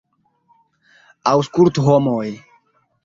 Aŭskultu, homoj!